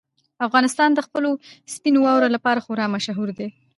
افغانستان د خپلو سپینو واورو لپاره خورا مشهور دی.